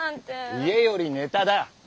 家よりネタだッ。